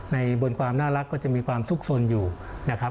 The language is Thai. บนความน่ารักก็จะมีความสุขสนอยู่นะครับ